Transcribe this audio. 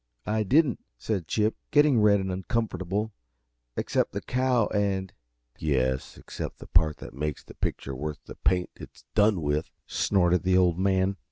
"I didn't," said Chip, getting red and uncomfortable, "except the cow and " "Yes, except the part that makes the picture worth the paint it's done with!" snorted the Old Man.